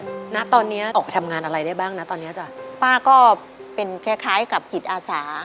คุณแข่งตอนนี้ออกหัวทำงานอะไรบ้างนะป้าก็เป็นคล้ายกับอาสา